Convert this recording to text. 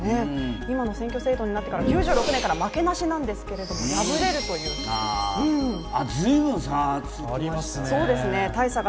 今の選挙制度になって９６年から負けなしなんですけどずいぶん、差が。